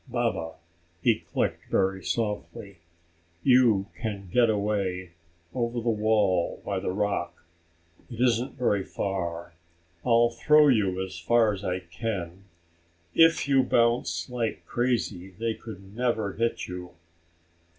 "Baba," he clicked very softly, "you can get away, over the wall by the rock. It isn't very far. I'll throw you as far as I can. If you bounce like crazy they could never hit you."